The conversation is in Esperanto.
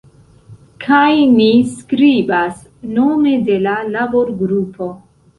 Kaj ni skribas nome de la laborgrupo.